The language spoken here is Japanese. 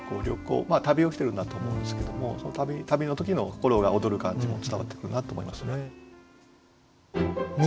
旅をしてるんだと思うんですけども旅の時の心が躍る感じも伝わってくるなと思いますね。